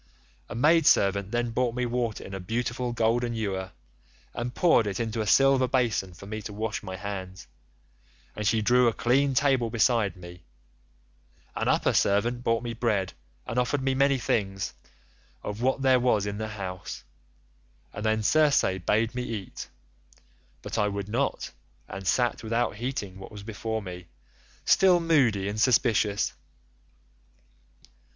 A maid servant then brought me water in a beautiful golden ewer and poured it into a silver basin for me to wash my hands, and she drew a clean table beside me; an upper servant brought me bread and offered me many things of what there was in the house, and then Circe bade me eat, but I would not, and sat without heeding what was before me, still moody and suspicious.